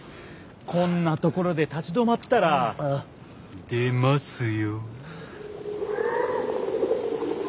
こんな所で立ち止まったら出ますよ。